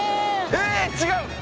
えっ違う⁉